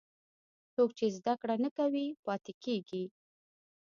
څوک چې زده کړه نه کوي، پاتې کېږي.